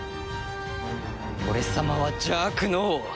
俺様は邪悪の王。